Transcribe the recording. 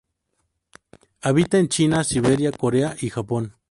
Habita en China, Siberia, Corea y Japón.